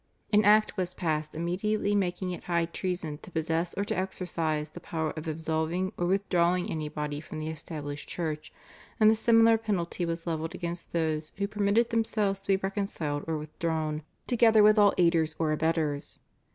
An Act was passed immediately making it high treason to possess or to exercise the power of absolving or withdrawing anybody from the established church, and a similar penalty was levelled against those who permitted themselves to be reconciled or withdrawn, together with all aiders or abettors.